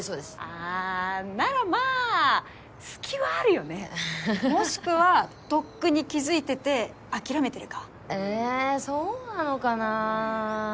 あぁならまぁ隙はあるよねアハハハもしくはとっくに気付いてて諦めてるかえそうなのかな？